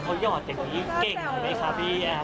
เค้าหยอดแบบนี้เก่งไหมคะพี่แอบ